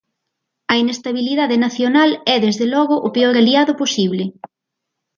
A inestabilidade nacional é desde logo o peor aliado posible.